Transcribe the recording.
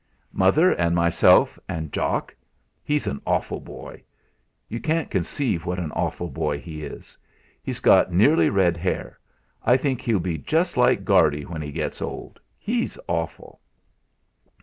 "Mother, and myself, and Jock he's an awful boy. You can't conceive what an awful boy he is. He's got nearly red hair; I think he'll be just like Guardy when he gets old. He's awful!"